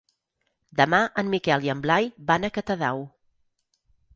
Demà en Miquel i en Blai van a Catadau.